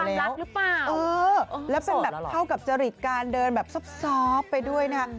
แล้วเป็นเวียบเท่ากับจฤติการเดินแบบซอบไปด้วยนะ